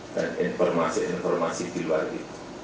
dan informasi informasi di luar itu